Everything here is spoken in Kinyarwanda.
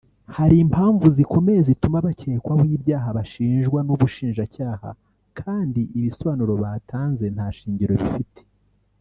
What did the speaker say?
hari impamvu zikomeye zituma bakekwaho ibyaha bashinjwa n’Ubushinjacyaha kandi ko ibisobanuro batanze nta nshingiro bifite